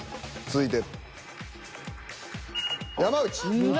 続いて。